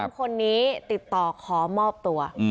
๓คนนี้ติดต่อขอมอบตัว